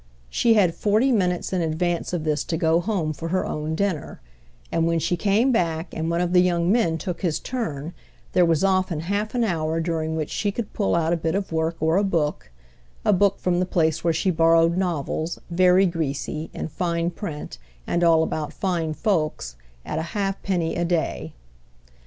She had forty minutes in advance of this to go home for her own dinner; and when she came back and one of the young men took his turn there was often half an hour during which she could pull out a bit of work or a book—a book from the place where she borrowed novels, very greasy, in fine print and all about fine folks, at a ha'penny a day.